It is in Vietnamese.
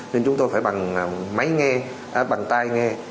nên chúng tôi phải bằng máy nghe bằng tay nghe